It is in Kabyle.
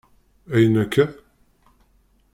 Ayyen akka?